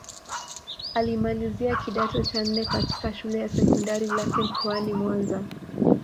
Alimalizia kidato cha nne katika Shule ya Sekondari Lake mkoani Mwanza